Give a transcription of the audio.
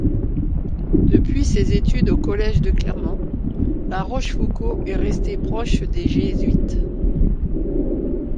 Depuis ses études au collège de Clermont, La Rochefoucauld est resté proche des jésuites.